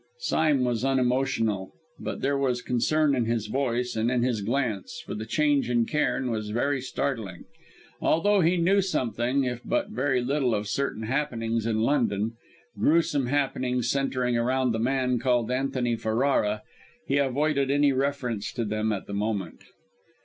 Sime was unemotional, but there was concern in his voice and in his glance, for the change in Cairn was very startling. Although he knew something, if but very little, of certain happenings in London gruesome happenings centering around the man called Antony Ferrara he avoided any reference to them at the moment.